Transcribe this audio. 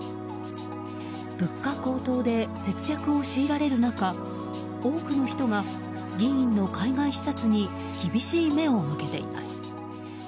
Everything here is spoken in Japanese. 物価高騰で節約を強いられる中多くの人が議員の海外視察に厳しい目を向けています。